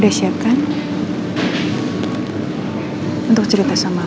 saya selalu ingin posisi poti